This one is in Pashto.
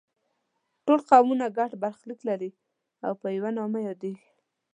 ټول قومونه ګډ برخلیک لري او په یوه نامه یادیږي.